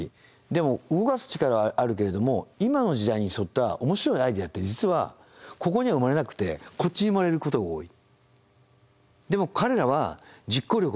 でも動かす力はあるけれども今の時代に沿った面白いアイデアって実はここには生まれなくてこっちに生まれることが多い。